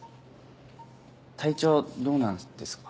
体調どうなんですか？